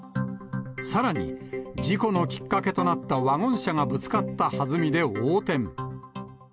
さらに、事故のきっかけとなったワゴン車がぶつかったはずみで横転。